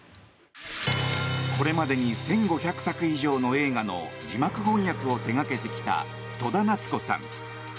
これまでに１５００作以上の映画の字幕翻訳を手掛けてきた戸田奈津子さん。